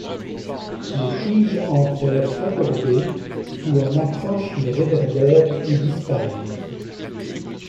Les tiges en fer recourbé où l'on accroche les réverbères y disparurent.